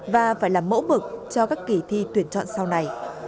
và phải là mẫu mực cho các kỳ thi tuyển chọn sau này